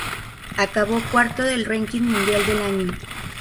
Acabó cuarto del ranking mundial del año.